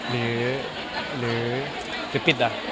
คุณค่ะ